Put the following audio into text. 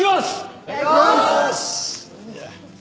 いただきます！